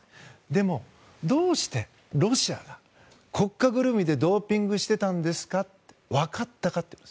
でも、どうしてロシアが国家ぐるみでドーピングしてたんですかとわかったか。